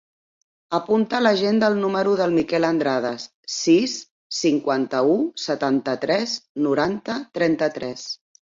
Apunta a l'agenda el número del Miquel Andrades: sis, cinquanta-u, setanta-tres, noranta, trenta-tres.